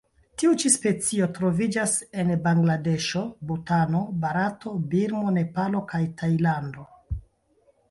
Tiu ĉi specio troviĝas en Bangladeŝo, Butano, Barato, Birmo, Nepalo kaj Tajlando.